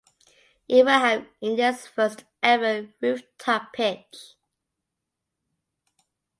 It will have India’s first ever roof top pitch.